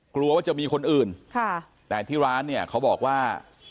กลัวว่าจะมีคนอื่นค่ะแต่ที่ร้านเนี่ยเขาบอกว่า